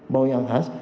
bau yang khas